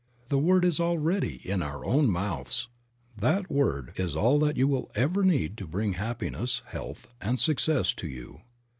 'The word is already in our own mouths." That word is all that you will ever need to bring happiness, health and success to you.